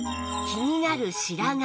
気になる白髪！